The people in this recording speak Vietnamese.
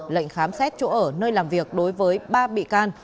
lệnh khám xét chỗ ở nơi làm việc đối với ba bị can